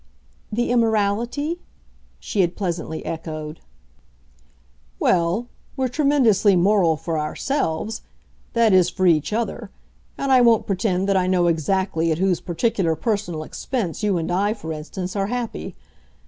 "'The immorality'?" she had pleasantly echoed. "Well, we're tremendously moral for ourselves that is for each other; and I won't pretend that I know exactly at whose particular personal expense you and I, for instance, are happy.